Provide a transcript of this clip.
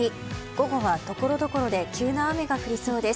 午後はところどころで急な雨が降りそうです。